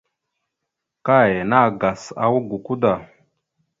Kay nàgas awak gakwa da.